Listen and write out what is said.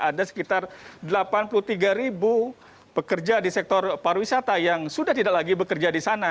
ada sekitar delapan puluh tiga ribu pekerja di sektor pariwisata yang sudah tidak lagi bekerja di sana